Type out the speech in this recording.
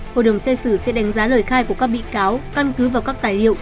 hội đồng xét xử sẽ đánh giá lời khai của các bị cáo căn cứ vào các tài liệu